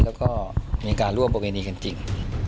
แล้วก็มีการร่วมโปรเมณีจริง